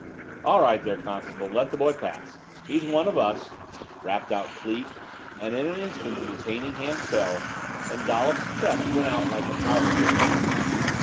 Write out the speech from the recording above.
"All right there, constable; let the boy pass. He's one of us!" rapped out Cleek; and in an instant the detaining hand fell, and Dollops' chest went out like a pouter pigeon's.